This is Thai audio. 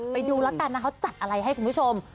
ไปดูแล้วกันนะเขาจัดอะไรให้คุณผู้ชม